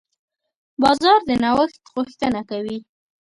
بازار د نوښت غوښتنه کوي.